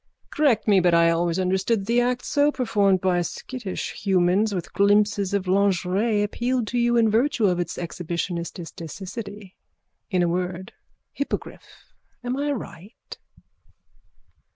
Correct me but I always understood that the act so performed by skittish humans with glimpses of lingerie appealed to you in virtue of its exhibitionististicicity. In a word. Hippogriff. Am I right?